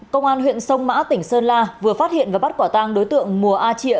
công an huyện sông mã tỉnh sơn la vừa phát hiện và bắt quả tang đối tượng mùa a triệu